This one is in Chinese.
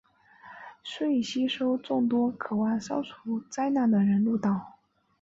遂吸收众多渴望消灾除难的人入道。